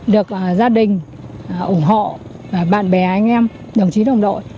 được gia đình ủng hộ bạn bè anh em đồng chí đồng đội